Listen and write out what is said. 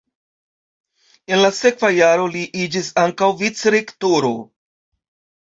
En la sekva jaro li iĝis ankaŭ vicrektoro.